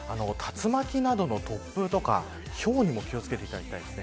竜巻などの突風とか、ひょうにも気を付けていただきたいです。